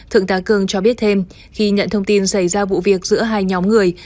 thượng tá cường cho biết thêm khi nhận thông tin xảy ra vụ việc giữa hai nhóm người